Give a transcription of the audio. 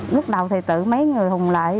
lúc đầu thì tự mấy người hùng lại